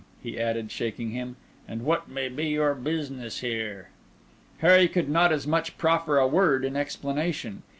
he added, shaking him; "and what may be your business here?" Harry could not as much as proffer a word in explanation.